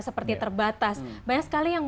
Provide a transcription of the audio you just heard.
seperti terbatas banyak sekali yang